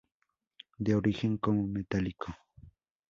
De origen como metálico.